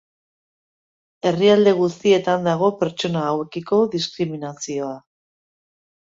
Herrialde guztietan dago pertsona hauekiko diskriminazioa.